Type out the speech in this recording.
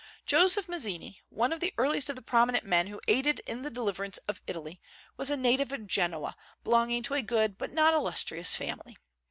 Joseph Mazzini, one of the earliest of the prominent men who aided in the deliverance of Italy, was a native of Genoa, belonging to a good but not illustrious family.